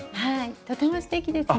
とてもすてきですね。